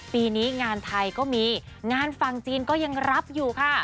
ปีนี้งานไทยก็มีงานฝั่งจีนก็ยังรับอยู่ค่ะ